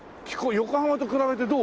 横浜と比べてどう？